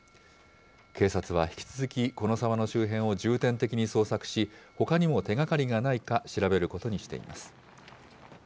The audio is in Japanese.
警察は引き続き、この沢の周辺を重点的に捜索し、ほかにも手がかりがないか、調べることにしています。